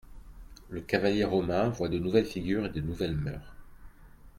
Le cavalier romain voit de nouvelles figures et de nouvelles mœurs.